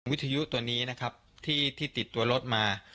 วิทยุตัวนี้นะครับที่ติดตัวรถมา